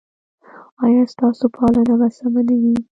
ایا ستاسو پالنه به سمه نه وي؟